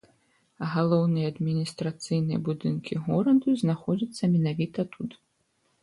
Галоўныя адміністрацыйныя будынкі горада знаходзяцца менавіта тут.